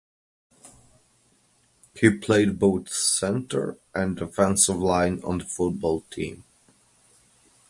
He played both center and defensive line on the football team.